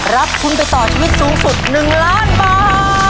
รับทุนไปต่อชีวิตสูงสุด๑ล้านบาท